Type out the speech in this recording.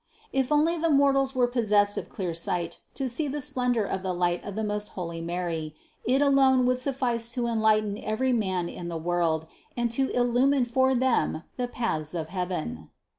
If only the mortals were possessed of clear sight to see the splendor of the light of the most holy Mary, it alone would suffice to enlighten every man in the world and to illumine for them the paths of heaven.